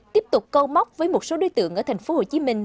tiếp tục câu móc với một số đối tượng ở thành phố hồ chí minh